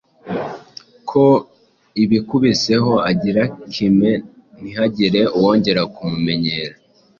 ko ubikubiseho agira kime ntihagire uwongera kumumenyera.